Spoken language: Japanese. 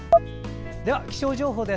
では、気象情報です。